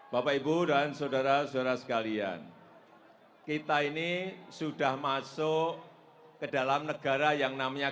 bapak ibu dan saudara saudara sekalian kita ini sudah masuk ke dalam negara yang namanya